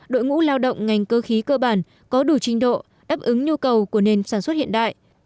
đội ngũ lao động ngành cơ khí cơ bản có đủ trình độ đáp ứng nhu cầu của nền sản xuất hiện đại